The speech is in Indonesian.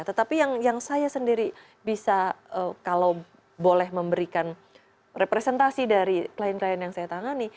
tetapi yang saya sendiri bisa kalau boleh memberikan representasi dari klien klien yang saya tangani